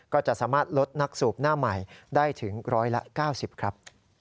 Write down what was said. ก็จะสามารถลดนักสูบหน้าใหม่ได้ถึง๑๙๐ครับ